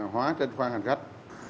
hóa trên khoang hành khách